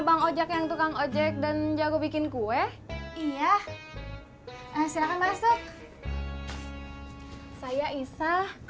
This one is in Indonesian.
bang ojek yang tukang ojek dan jago bikin kue iya silahkan masuk saya isa